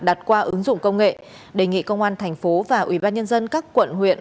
đặt qua ứng dụng công nghệ đề nghị công an thành phố và ubnd các quận huyện